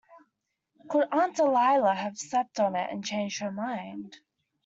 Could Aunt Dahlia have slept on it and changed her mind?